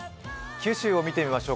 九州を見てみましょう。